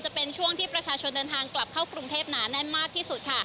จะเป็นช่วงที่ประชาชนเดินทางกลับเข้ากรุงเทพหนาแน่นมากที่สุดค่ะ